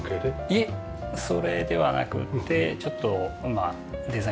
いえそれではなくってちょっとまあデザインというか。